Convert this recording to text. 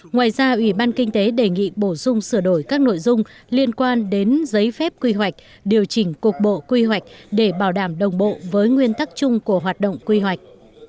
ngoài ra ủy ban kinh tế đề nghị bổ sung sửa đổi các nội dung liên quan đến giấy phép quy hoạch điều chỉnh cục bộ quy hoạch để bảo đảm đồng bộ với nguyên tắc chung của hoạt động quy hoạch